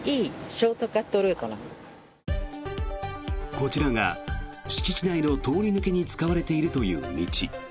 こちらが敷地内の通り抜けに使われているという道。